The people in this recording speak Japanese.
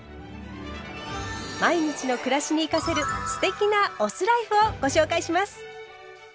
毎日の暮らしに生かせる“酢テキ”なお酢ライフをご紹介します。